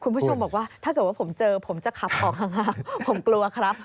คุณผู้ชมบอกว่าถ้าเกิดว่าผมเจอผมจะขับออกห่างผมกลัวครับ